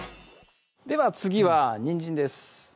では次はにんじんです